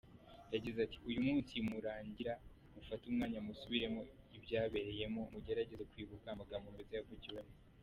Yagize ati “Uyu munsi nurangira, mufate umwanya musubiremo ibyabereyemo, mugerageze kwibuka amagambo meza yavugiwemo.